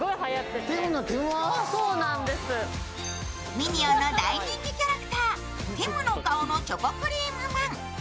ミニオンの大人気キャラクター、ティムの顔のチョコクリームまん。